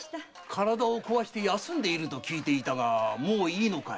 体をこわして休んでいると聞いたがもういいのかい？